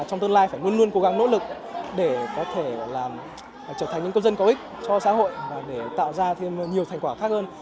trong tương lai phải luôn luôn cố gắng nỗ lực để có thể trở thành những cơ dân có ích cho xã hội và để tạo ra thêm nhiều thành quả khác hơn